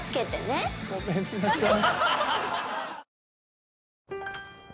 ごめんなさい。